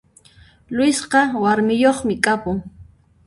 Luisqa warmiyoqmi kapun